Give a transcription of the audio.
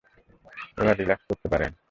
এবার রিল্যাক্স করতে পারেন।